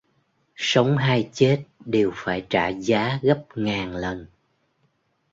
Sống hay chết đều phải trả giá gấp ngàn lần